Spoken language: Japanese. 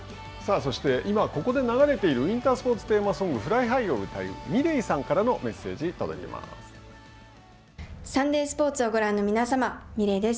そして今ここで流れているウインタースポーツテーマソング「ＦｌｙＨｉｇｈ」を歌うｍｉｌｅｔさんからのサンデースポーツをご覧の皆さまｍｉｌｅｔです。